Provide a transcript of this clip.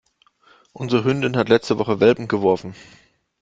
Unsere Hündin hat letzte Woche Welpen geworfen.